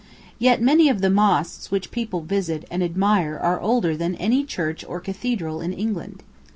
Yet many of the mosques which people visit and admire are older than any church or cathedral in England.